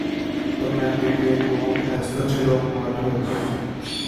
The men became known as the Chideock Martyrs.